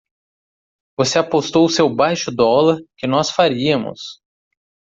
Você apostou seu baixo dólar que nós faríamos!